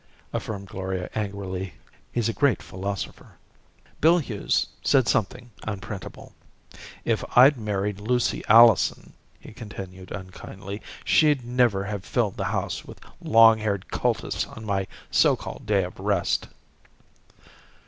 affirmed Gloria angrily. "He's a great philosopher." Bill Hughes said something unprintable. "If I'd married Lucy Allison," he continued unkindly, "she'd never have filled the house with long haired cultists on my so called day of rest."